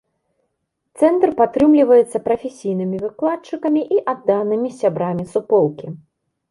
Цэнтр падтрымліваецца прафесійнымі выкладчыкамі і адданымі сябрамі суполкі.